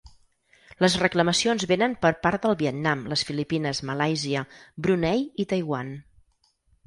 Les reclamacions vénen per part del Vietnam, les Filipines, Malàisia, Brunei i Taiwan.